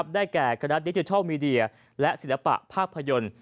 ได้แก่คณะดิจิทัลมีเดียและศิลปะภาพยนตร์